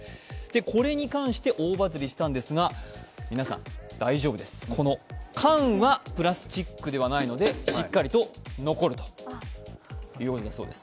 これに関して大バズりしたんですが、皆さん、大丈夫です、缶はプラスチックではないのでしっかりと残るということだそうです。